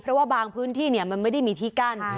เพราะว่าบางพื้นที่มันไม่ได้มีที่กั้น